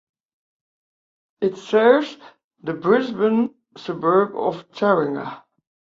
It serves the Brisbane suburb of Taringa.